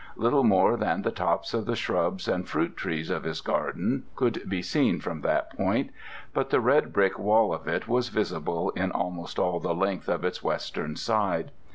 Little more than the tops of the shrubs and fruit trees of his garden could be seen from that point, but the red brick wall of it was visible in almost all the length of its western side.